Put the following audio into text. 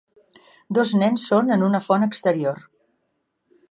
Dos nens són en una font exterior